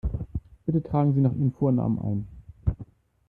Bitte tragen Sie noch Ihren Vornamen ein.